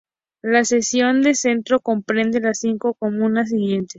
La sección de Centro comprende las cinco comunas siguientes